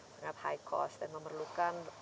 sangat high cost dan memerlukan